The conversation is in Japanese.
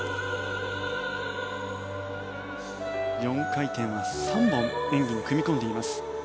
４回転は３本演技に組み込んでいます。